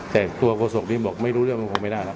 แต่ตัวโครสกที่บอกไม่รู้เรื่องมันคงไม่ได้หรอก